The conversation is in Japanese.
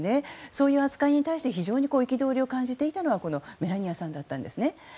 そういう扱いに対して非常に憤りを感じていたのはメラニアさんだったんですね。